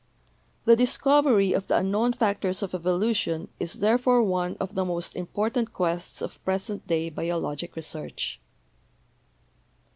The discovery of the 'unknown factors of evolution' is there fore one of the most important quests of present day biologic research.